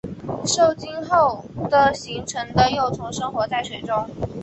受精后的形成的幼虫生活在水中。